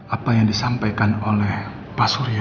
apa yang disampaikan oleh pak surya